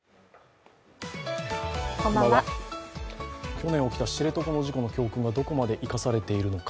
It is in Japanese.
去年起きた知床の事故の教訓がどこまで生かされているのか。